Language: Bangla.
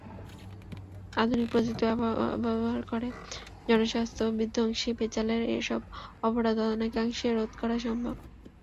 আধুনিক প্রযুক্তি ব্যবহার করে জনস্বাস্থ্যবিধ্বংসী ভেজালের এসব অপরাধ অনেকাংশে রোধ করা সম্ভব।